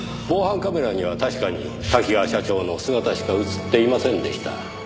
防犯カメラには確かに多岐川社長の姿しか映っていませんでした。